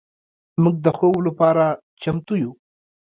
موږ د خوب لپاره چمتو شو.